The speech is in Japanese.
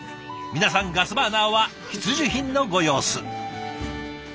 皆さんガスバーナーは必需品のご様子。